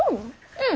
うん。